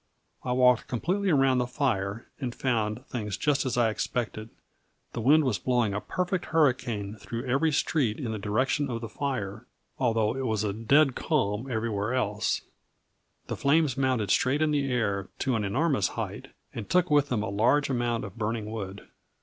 I walked completely around the fire, and found things just as I expected. The wind was blowing a perfect hurricane through every street in the direction of the fire, although it was a dead calm everywhere else; the flames mounted straight in the air to an enormous height, and took with them a large amount of burning wood.